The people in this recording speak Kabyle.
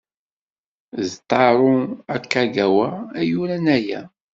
D Taro Akagawa ay yuran aya.